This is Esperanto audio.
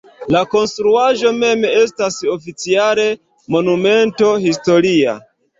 La konstruaĵo mem estas oficiale Monumento historia.